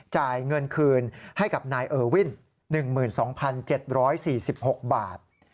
จ่ายเงินคืนให้กับนายเออวิน๑๒๗๔๖บาท